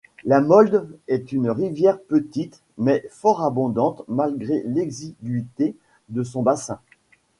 La Maulde est une rivière petite, mais fort abondante, malgré l'exiguïté de son bassin.